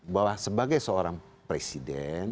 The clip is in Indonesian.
bahwa sebagai seorang presiden